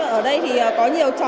ở đây thì có nhiều trò